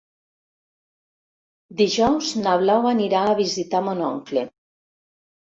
Dijous na Blau anirà a visitar mon oncle.